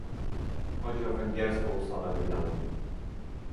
Chodzi o węgierską ustawę medialną